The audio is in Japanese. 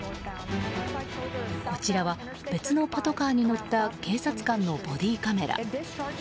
こちらは別のパトカーに乗った警察官のボディーカメラ。